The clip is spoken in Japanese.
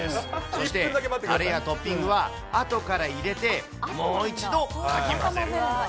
そして、たれやトッピングはあとから入れて、もう一度かき混ぜる。